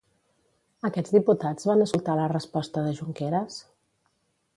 Aquests diputats van escoltar la resposta de Junqueras?